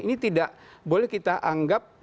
ini tidak boleh kita anggap